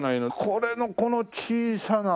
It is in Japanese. これのこの小さな。